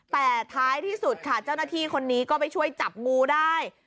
แต่ท้ายที่สุดค่ะเจ้าหน้าที่คนนี้ก็ไปช่วยจับงูได้